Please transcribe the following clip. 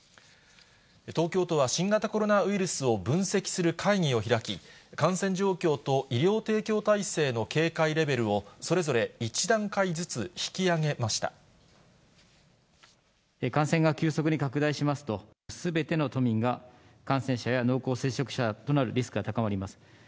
東京都は、新型コロナウイルスを分析する会議を開き、感染状況と医療提供体制の警戒レベルを、それぞれ１段階ずつ引き感染が急速に拡大しますと、すべての都民が感染者や濃厚接触者となるリスクが高まります。